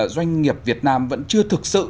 doanh nghiệp việt nam vẫn chưa thực sự